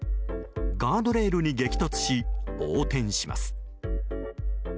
ガードレールに激突し横転します。